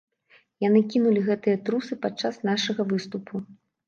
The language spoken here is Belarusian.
Яны кінулі гэтыя трусы падчас нашага выступу.